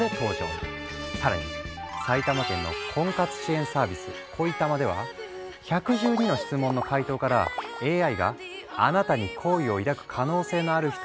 更に埼玉県の婚活支援サービス「恋たま」では１１２の質問の回答からＡＩが「あなたに好意を抱く可能性のある人」を割り出して提案。